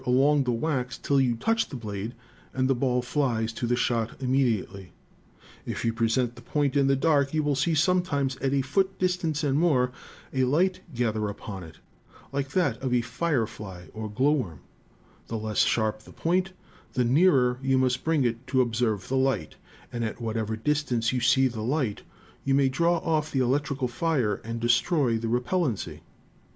along the wax till you touch the blade, and the ball flies to the shot immediately. If you present the point in the dark you will see, sometimes at a foot distance and more, a light gather upon it, like that of a firefly or glowworm; the less sharp the point the nearer must you bring it to observe the light; and at whatever distance you see the light, you may draw off the electrical fire and destroy the repellency.